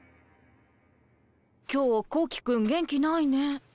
今日こうき君元気ないね。